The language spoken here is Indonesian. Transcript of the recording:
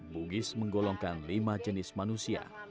bugis menggolongkan lima jenis manusia